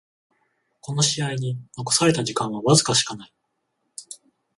この試合に残された時間はわずかしかない